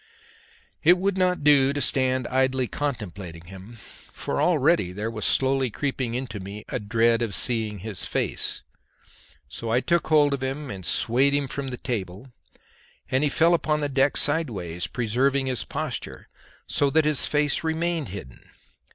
It would not do to stand idly contemplating him, for already there was slowly creeping into me a dread of seeing his face; so I took hold of him and swayed him from the table, and he fell upon the deck sideways, preserving his posture, so that his face remained hidden.